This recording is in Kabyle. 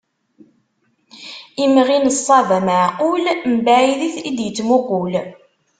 Imɣi n ṣṣaba meɛqul, mbaɛid i d-yettmuqul.